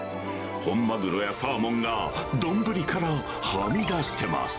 本マグロやサーモンが丼からはみ出してます。